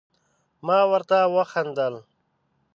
ما ورته وخندل ،